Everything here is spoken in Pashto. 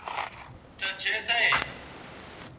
موږ کولای سو چي د کتاب په مرسته خپل کلتور او ژبه ژوندۍ وساتو.